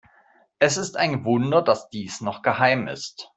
Es ist ein Wunder, dass dies noch geheim ist.